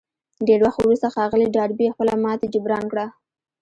ډېر وخت وروسته ښاغلي ډاربي خپله ماتې جبران کړه.